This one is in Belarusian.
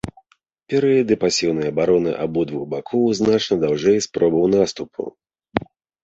Перыяды пасіўнай абароны абодвух бакоў значна даўжэй спробаў наступу.